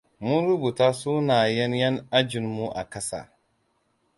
Mun rubuta sunayen ƴan ajinmu a ƙasa.